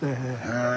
へえ！